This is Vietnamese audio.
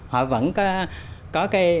họ vẫn có